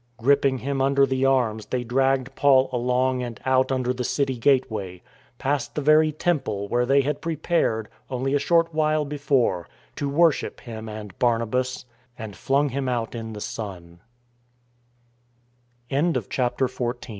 Gripping him under che arms they dragged Paul along and out under the city gateway, past the very temple where they had prepared, only a short while before, to worship him and Barnabas, and flung him